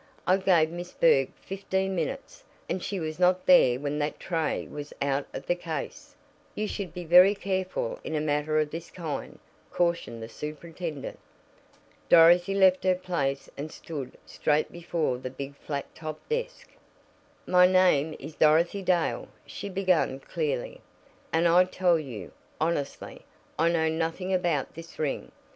"I gave Miss Berg fifteen minutes, and she was not there when that tray was out of the case." "You should be very careful in a matter of this kind," cautioned the superintendent. Dorothy left her place and stood straight before the big flat top desk. "My name is Dorothy Dale," she began clearly, "and I tell you, honestly, I know nothing about this ring.